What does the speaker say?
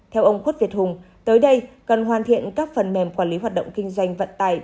theo ông khuất việt hùng tới đây cần hoàn thiện các phần mềm quản lý hoạt động kinh doanh vận tải